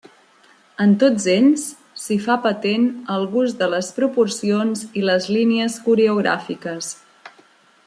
En tots ells s'hi fa patent el gust de les proporcions i les línies coreogràfiques.